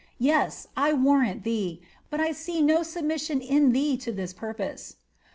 Yes, 1 warrant thee ; but I see no i in thee to that purpose."